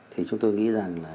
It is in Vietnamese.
thì chúng tôi nghĩ rằng là